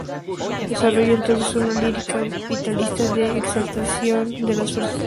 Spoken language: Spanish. Desarrolló entonces una lírica vitalista de exaltación de las fuerzas del deseo.